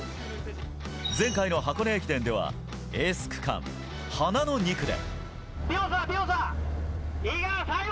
前回の箱根駅伝ではエース区間、花の２区で。